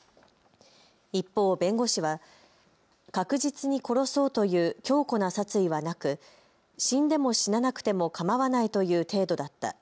一方、弁護士は確実に殺そうという強固な殺意はなく、死んでも死ななくてもかまわないという程度だった。